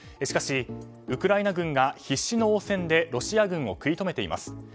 しかし、ウクライナ軍が必死の応戦でロシア軍を食い止めています。